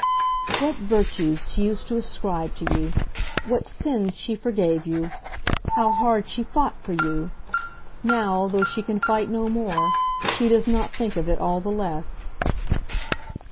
"What virtues she used to ascribe to you! What sins she forgave you! How hard she fought for you! Now, though she can fight no more, she does not think of it all the less."